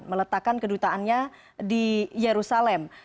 meletakkan kedutaannya di yerusalem